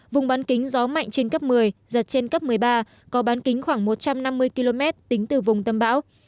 vùng bán kính gió mạnh trên cấp một mươi giật trên cấp một mươi ba có bán kính khoảng một trăm năm mươi km tính từ vùng tâm bão